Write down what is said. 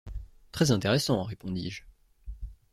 Très-intéressant, répondis-je.